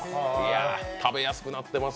食べやすくなってます。